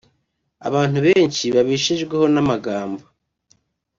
Abantu benshi babeshejweho n’amagambo